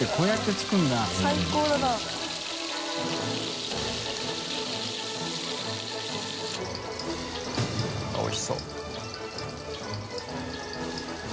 作間）あっおいしそう。